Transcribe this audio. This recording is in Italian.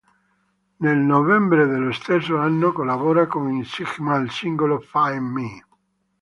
Nel novembre dello stesso anno collabora con i Sigma al singolo Find Me.